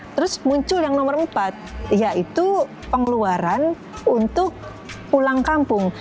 terus muncul yang nomor empat yaitu pengeluaran untuk pulang kampung